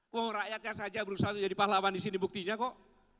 kok rakyatnya saja berusaha jadi pahlawan disini buktinya kok